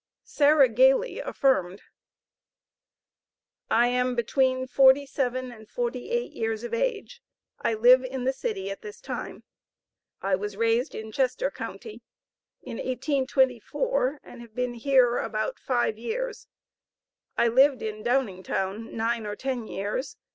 Sarah Gayly affirmed. I am between forty seven and forty eight years of age. I live in the city at this time. I was raised in Chester county, in 1824, and have been here about five years. I lived in Downingtown nine or ten years.